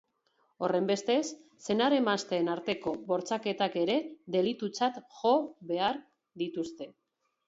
Horrenbestez, senar-emazteen arteko bortxaketak ere delitutzat jo behar dituzte.